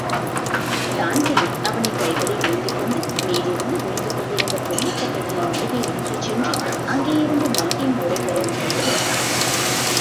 Dan Breen அவனைக் கைகளில் ஏந்திக்கொண்டு மேலிருந்து விழுந்துகொண்டிருந்த கொள்ளிக்கட்டைகளின் நடுவே எடுத்துச்சென்று அங்கேயிருந்த மல்டீன் ஓடைக்கரையில் கொண்டு வைத்தான்.